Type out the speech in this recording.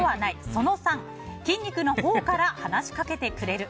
その３、筋肉のほうから話しかけてくれる。